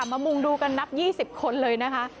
มุงดูกันนับ๒๐คนเลยนะคะ